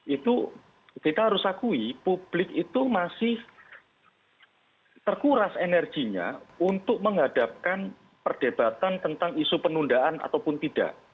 itu kita harus akui publik itu masih terkuras energinya untuk menghadapkan perdebatan tentang isu penundaan ataupun tidak